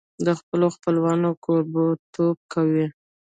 د خپلو خپلوانو کوربهتوب کوي.